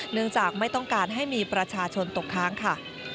เนื่องจากไม่ต้องการให้มีประชาชนตกค้างค่ะ